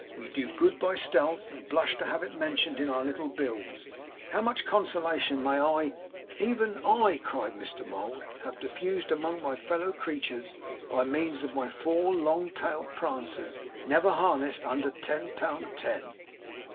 We do good by stealth, and blush to have it mentioned in our little bills. How much consolation may I even I,' cried Mr Mould, 'have diffused among my fellow creatures by means of my four long tailed prancers, never harnessed under ten pund ten!